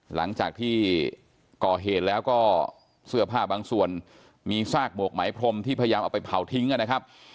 หลังจากที่ก่อเหตุแล้วก็เสื้อผ้าบางส่วนมีซากหมวกไหมพรมที่พยายามเอาไปเผาทิ้งนะครับ